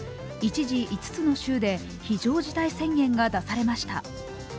一時、５つの州で非常事態宣言が出されました。